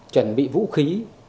chuẩn bị vũ khí